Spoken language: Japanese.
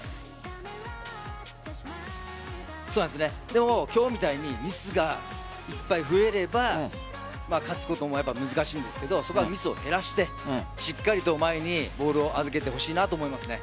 でも今日みたいにミスがいっぱい増えれば勝つことも難しいんですがそこはミスを減らしてしっかりと前にボールを預けてほしいと思います。